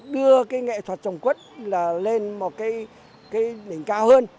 đưa cái nghệ thuật trồng quất là lên một cái đỉnh cao hơn